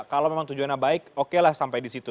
kalau memang tujuannya baik oke lah sampai di situ